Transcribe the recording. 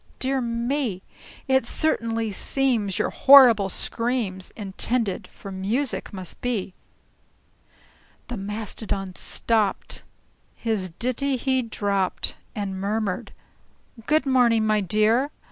"Dear me! It certainly seems your horrible screams Intended for music must be!" The Mastodon stopped, his ditty he dropped, And murmured, "Good morning, my dear!